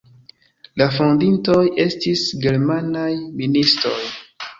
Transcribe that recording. La fondintoj estis germanaj ministoj.